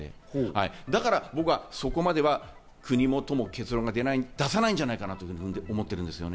だから僕は都も国も結論を出さないんじゃないかと思っています。